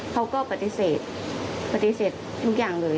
เขาก็ปฏิเสธปฏิเสธทุกอย่างเลย